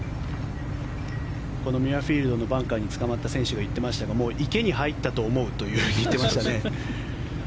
このミュアフィールドのバンカーにつかまった選手が言ってましたがもう池に入ったと思うと言っていましたね。